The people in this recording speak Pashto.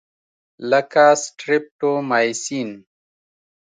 لکه سټریپټومایسین.